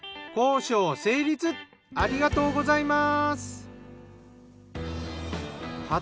ありがとうございます。